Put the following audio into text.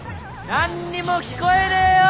何にも聞こえねえよ！